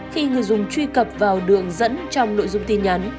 khi người dùng truy cập vào đường dẫn trong nội dung tin nhắn